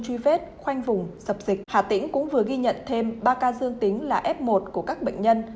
truy vết khoanh vùng dập dịch hà tĩnh cũng vừa ghi nhận thêm ba ca dương tính là f một của các bệnh nhân